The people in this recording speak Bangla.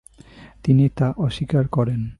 তিনি তা অস্বীকার করেন।